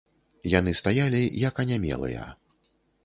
Яны стаялі як анямелыя.